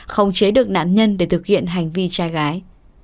không chế được nạn nhân để thực hiện hành vi trai gái